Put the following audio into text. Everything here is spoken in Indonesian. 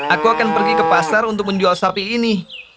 aku akan pergi ke pasar untuk menjual sapi ini